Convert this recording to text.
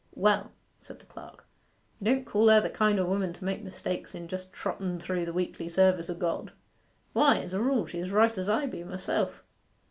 'Well,' said the clerk, 'you don't call her the kind o' woman to make mistakes in just trotten through the weekly service o' God? Why, as a rule she's as right as I be myself.